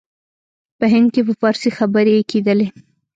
په هند کې په فارسي خبري کېدلې.